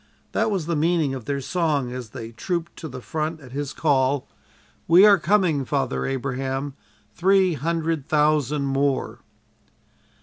That was the meaning of their song as they trooped to the front at his call: "We are coming, Father Abraham; Three hundred thousand more."